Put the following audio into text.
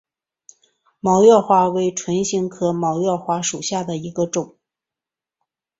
毛药花为唇形科毛药花属下的一个种。